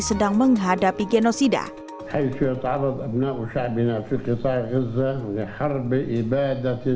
sedang menghadapi genosida hai syuat arad abna'u sya'bina fiqih zaha zaha diharbi ibadah